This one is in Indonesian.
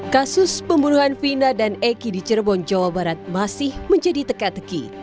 kasus pembunuhan vina dan eki di cirebon jawa barat masih menjadi teka teki